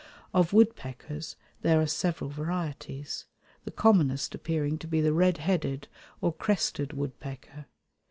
Of woodpeckers there are several varieties, the commonest appearing to be the red headed or crested woodpecker.